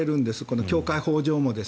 この教会法上も。